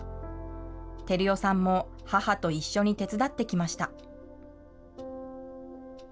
照代さんも母と一緒に手伝ってきました。